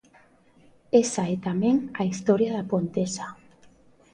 Esa é tamén a historia da Pontesa.